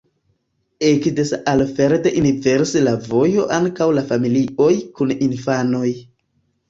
Ekde Saalfeld inverse la vojo ankaŭ de familioj kun infanoj.